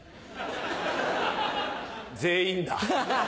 全員だ。